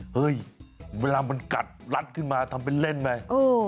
เฮ้ยเวลามันกัดรัดขึ้นมาทำเป็นเล่นไป